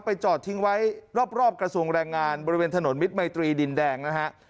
จอดทิ้งไว้รอบกระทรวงแรงงานบริเวณถนนมิตรมัยตรีดินแดงนะฮะ